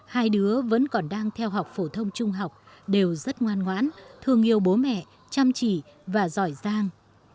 hai đứa vẫn còn đang theo học phổ thông trung học đều rất ngoan ngoãn thương yêu bố mẹ chăm chỉ và giỏi giang